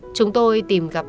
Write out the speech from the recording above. chúng tôi tìm gặp